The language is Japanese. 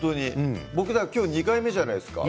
今日２回目じゃないですか。